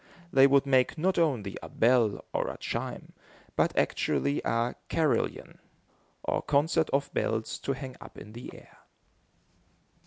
They would make not only a bell, or a chime, but, actually a carillon, or concert of bells to hang up in the air.